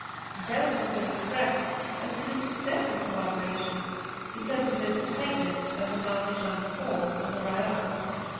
Doubts have been expressed as to the success of co operation because of the tightness of the Mahajan's hold on the ryots.